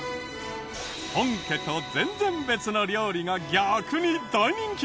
本家と全然別の料理が逆に大人気に。